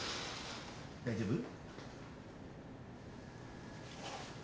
大丈夫？